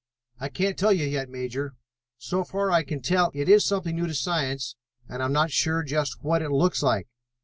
"I can't tell you yet, Major. So far I can tell, it is something new to science and I am not sure just what it looks like.